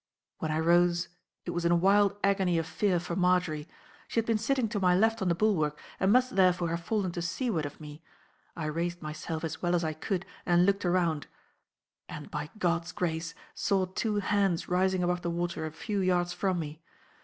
When I rose it was in a wild agony of fear for Marjory. She had been sitting to my left on the bulwark and must therefore have fallen to seaward of me. I raised myself as well as I could and looked around; and, by God's grace, saw two hands rising above the water a few yards from me.